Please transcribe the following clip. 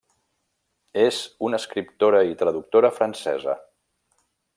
És una escriptora i traductora francesa.